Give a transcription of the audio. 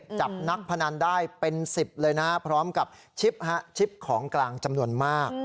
จับนักพนันได้เป็น๑๐เลยนะพร้อมกับชิปชิปของกลางจำนวนมาก